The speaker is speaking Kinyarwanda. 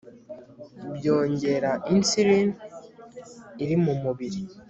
byongera insulin iri mu mubiri